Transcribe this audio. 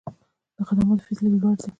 د خدماتو فیس لږ لوړ دی.